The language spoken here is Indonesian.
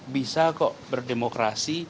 bisa kok berdemokrasi